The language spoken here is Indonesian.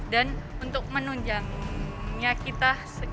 dan untuk menunjangnya kita